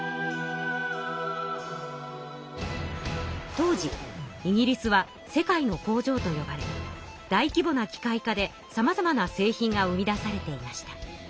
当時イギリスは世界の工場とよばれ大規模な機械化でさまざまな製品が生み出されていました。